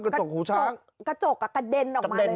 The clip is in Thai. กระจกหูช้างกระจกอ่ะกระเด็นออกมาเลย